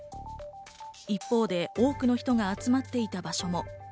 一方で多くの人が集まっていた場所も。